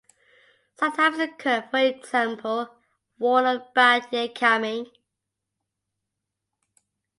Sometimes it could, for example, warn of a bad year coming.